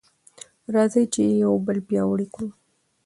راځئ چې یو بل پیاوړي کړو.